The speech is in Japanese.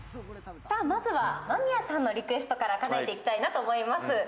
まずは間宮さんのリクエストからかなえていきたいと思います。